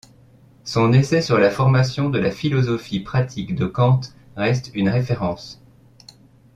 Son essai sur la formation de la philosophie pratique de Kant reste une référence.